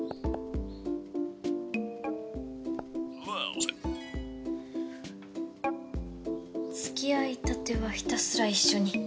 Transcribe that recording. これ・「付き合いたてはひたすら一緒に！」